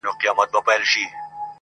نسته له ابۍ سره شرنګی په الاهو کي،